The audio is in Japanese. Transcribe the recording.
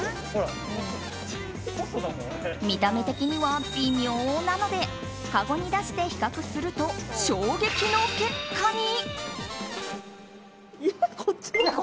見た目的には微妙なのでかごに出して比較すると衝撃の結果に。